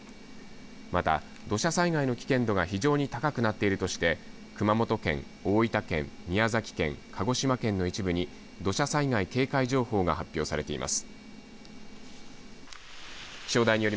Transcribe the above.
また土砂災害の危険度が非常に高くなっているとして熊本県、大分県、宮崎県、鹿児島県の一部に土砂災害警戒情報が発表されています。